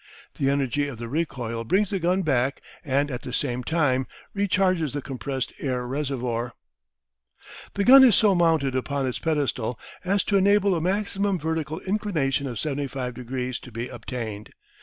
The energy of the recoil brings the gun back and at the same time recharges the compressed air reservoir. The gun is so mounted upon its pedestal as to enable a maximum vertical inclination of 75 degrees to be obtained.